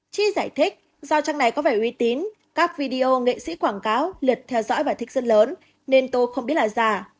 chi giải thích do trang này có vẻ uy tín các video nghệ sĩ quảng cáo liệt theo dõi và thích dân lớn nên tôi không biết là giả